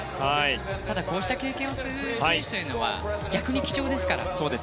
ただ、こうした経験をする選手というのは逆に貴重ですから。